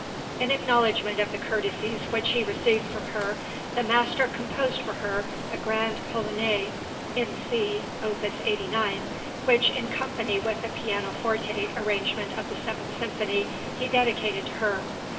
In acknowledgment of the courtesies which he received from her, the master composed for her a Grand Polonaise (in C, opus 89) which, in company with the pianoforte arrangement of the Seventh Symphony he dedicated to her.